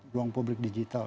ruang publik digital